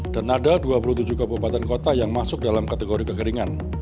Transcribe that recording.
dan ada dua puluh tujuh kabupaten kota yang masuk dalam kategori kekeringan